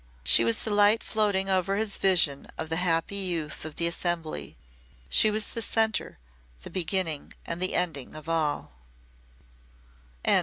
She was the light floating over his vision of the happy youth of the assembly she was the centre the beginning and the ending of it all.